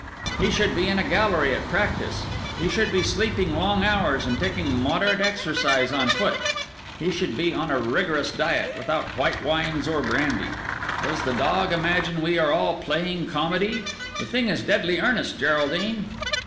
He should be in a gallery at practice; he should be sleeping long hours and taking moderate exercise on foot; he should be on a rigorous diet, without white wines or brandy. Does the dog imagine we are all playing comedy? The thing is deadly earnest, Geraldine."